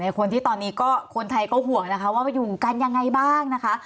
คนที่ตอนนี้ก็คนไทยก็ห่วงนะคะว่าอยู่กันยังไงบ้างนะคะ